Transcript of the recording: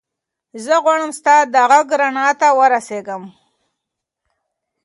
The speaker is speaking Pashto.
زه غواړم ستا د غږ رڼا ته ورسېږم.